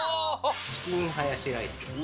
チキンハヤシライスです。